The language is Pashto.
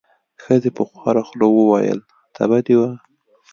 ښځې په خواره خوله وویل: تبه دې وه.